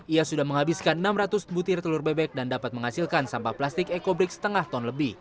ia sudah menghabiskan enam ratus butir telur bebek dan dapat menghasilkan sampah plastik ekobrik setengah ton lebih